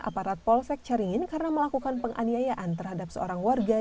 aparat polsek caringin karena melakukan penganiayaan terhadap seorang warga